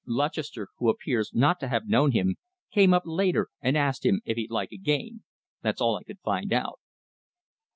Lutchester, who appears not to have known him, came up later and asked him if he'd like a game. That's all I could find out."